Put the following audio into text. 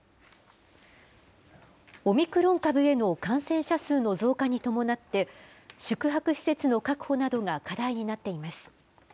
オミクロン株への感染者数の増加に伴って、宿泊施設の確保などが課題になっています。